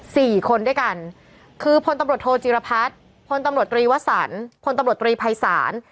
สี่คนด้วยกันคือพลตำรวจโทจีรพัฒน์พลตำรวจตรีวสันพลตำรวจตรีภัยศาล